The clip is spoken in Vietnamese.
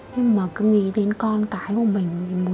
nhưng mà cứ nghĩ đến con cái của mình